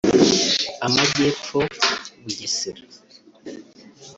amajyepfo(Bugesera)